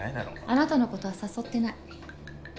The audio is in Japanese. あなたのことは誘ってない。